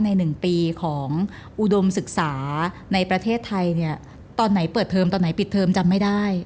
หนึ่งปีของอุดมศึกษาในประเทศไทยเนี่ยตอนไหนเปิดเทอมตอนไหนปิดเทอมจำไม่ได้